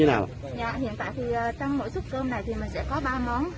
hiện tại trong mỗi xuất cơm này thì mình sẽ có ba món hai món mặn và một món canh